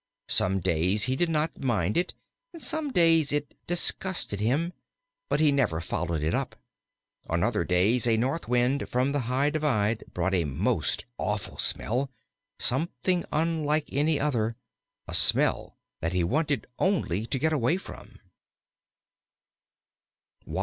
Some days he did not mind it, and some days it disgusted him; but he never followed it up. On other days a north wind from the high Divide brought a most awful smell, something unlike any other, a smell that he wanted only to get away from.